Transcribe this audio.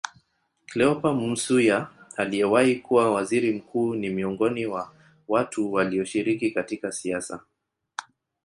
Cleopa Msuya aliyewahi kuwa Waziri Mkuu ni miongoni wa watu walioshiriki katika siasa